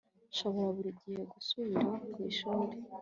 Nshobora buri gihe gusubira ku ishuri